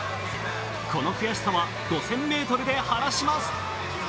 この悔しさは５０００ｍで晴らします。